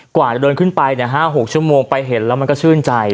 กว่าจะเดินขึ้นไป๕๖ชั่วโมงไปเห็นแล้วมันก็ชื่นใจ